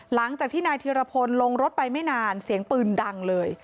หลังจากที่นายธิรพลลงรถไปไม่นานเสียงปืนดังเลย